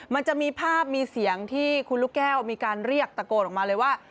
มันจะมีภาพมีเสียงที่คุณลูกแก้วมีการเรียกตะโกนออกมาเลยว่า